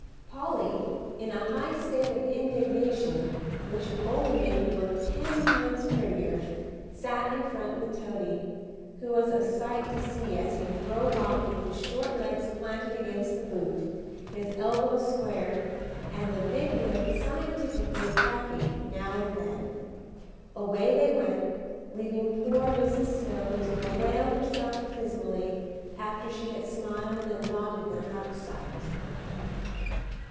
Polly, in a high state of indignation, which only made her look ten times prettier, sat in front with Toady, who was a sight to see as he drove off with his short legs planted against the boot, his elbows squared, and the big whip scientifically cracking now and then. Away they went, leaving poor Mrs. Snow to bewail herself dismally after she had smiled and nodded them out of sight.